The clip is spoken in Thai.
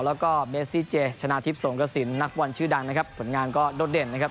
แล้วก็เมซี่เจชนะทิพย์สงกระสินนักฟุตบอลชื่อดังนะครับผลงานก็โดดเด่นนะครับ